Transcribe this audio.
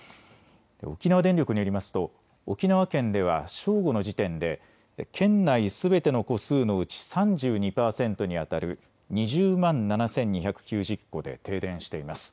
沖縄電力によりますと沖縄県では正午の時点で県内すべての戸数のうち３２％にあたる２０万７２９０戸で停電しています。